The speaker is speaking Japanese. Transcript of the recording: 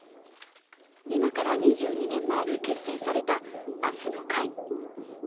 今から２２年前に結成された、あすの会。